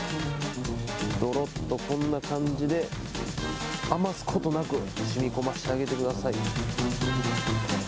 どろっとこんな感じで、余すことなく、しみこませてあげてください。